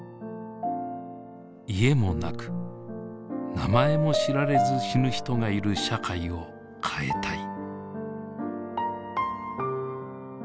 家もなく名前も知られず死ぬ人がいる社会を変えたい。